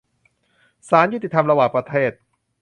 ศาลยุติธรรมระหว่างประเทศ